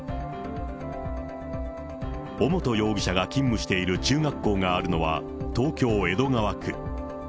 尾本容疑者が勤務している中学校があるのは、東京・江戸川区。